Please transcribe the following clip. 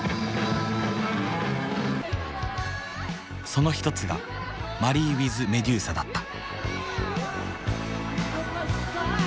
その一つがマリー・ウィズ・メデューサだった。